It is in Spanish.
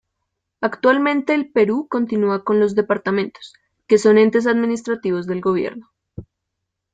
Actualmente el Perú continúa con los Departamentos, que son entes administrativos del gobierno.